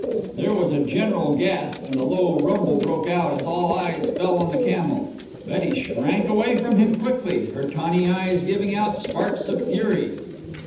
There was a general gasp, and a low rumble broke out as all eyes fell on the camel. Betty shrank away from him quickly, her tawny eyes giving out sparks of fury.